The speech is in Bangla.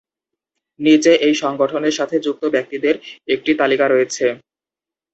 নীচে এই সংগঠনের সাথে যুক্ত ব্যক্তিদের একটি তালিকা রয়েছে।